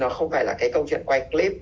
nó không phải là cái câu chuyện quay clip